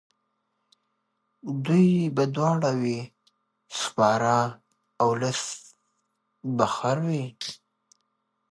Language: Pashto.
دوی به دواړه وي سپاره اولس به خر وي.